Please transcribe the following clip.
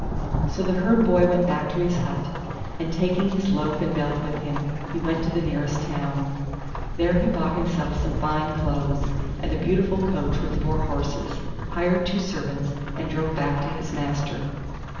So the Herd boy went back to his hut, and taking his loaf and belt with him, he went to the nearest town. There he bought himself some fine clothes, and a beautiful coach with four horses, hired two servants, and drove back to his master.